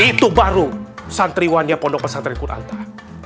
itu baru santriwannya pondok pesantren kun antah